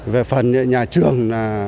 về phần nhà trường